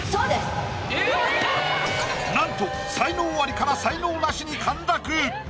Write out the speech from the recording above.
なんと才能アリから才能ナシに陥落！